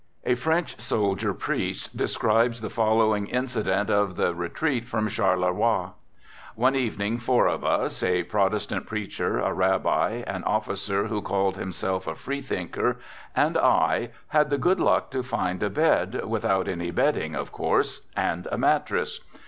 A French soldier priest de f scribes the following incident of the retreat from i Charleroi: " One evening four of us, a protestant l preacher, a rabbi, an officer who called himself a free thinker, and I, had the good luck to find a bed, without any bedding, of course, and a mattress.